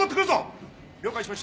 了解しました。